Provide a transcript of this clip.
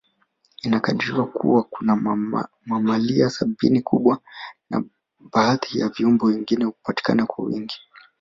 Inakadiriwa Kuwa kuna mamalia sabini kubwa na baadhi ya viumbe wengine hupatikana kwa wingi